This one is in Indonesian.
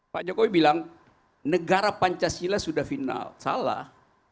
pak jokowi bilang negara pancasila sudah final salah